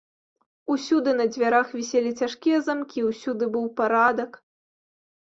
Усюды на дзвярах віселі цяжкія замкі, усюды быў парадак.